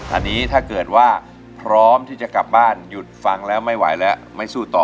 อันนี้ถ้าเกิดว่าพร้อมที่จะกลับบ้านหยุดฟังแล้วไม่ไหวแล้วไม่สู้ต่อ